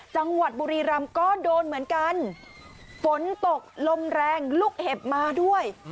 จังหวัดบุรีรำก็โดนเหมือนกันฝนตกลมแรงลูกเห็บมาด้วย